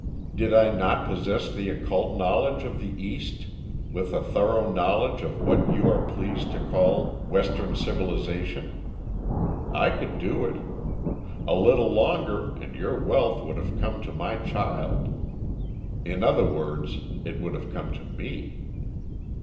Did I not possess the occult knowledge of the East with a thorough knowledge of what you are pleased to call Western civilization? I could do it. A little longer and your wealth would have come to my child; in other words, it would have come to me.